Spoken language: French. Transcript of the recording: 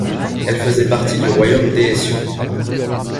Elle faisait partie du royaume d'Éétion.